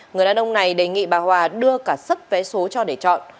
người đàn ông này đề nghị bà hòa đưa cả sấp vé số cho để chọn